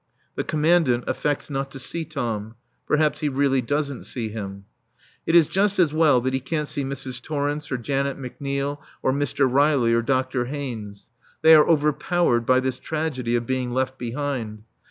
The Commandant affects not to see Tom. Perhaps he really doesn't see him. It is just as well that he can't see Mrs. Torrence, or Janet McNeil or Mr. Riley or Dr. Haynes. They are overpowered by this tragedy of being left behind.